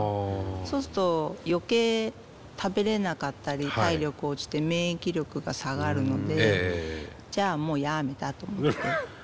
そうすると余計食べれなかったり体力落ちて免疫力が下がるのでじゃあもうやめたと思って。